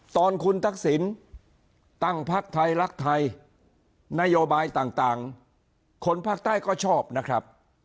ตอนคุณทักษิณตั้งพักไทยรักไทยนโยบายต่างคนภาคใต้ก็ชอบนะครับ